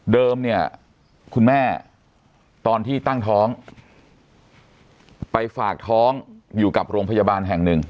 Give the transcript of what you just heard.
เนี่ยคุณแม่ตอนที่ตั้งท้องไปฝากท้องอยู่กับโรงพยาบาลแห่งหนึ่ง